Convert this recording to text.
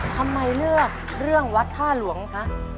ทำไมเลือกเรื่องวัดท่าหลวงคะ